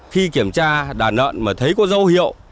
khi kiểm tra đàn lợn mà thấy có dấu hiệu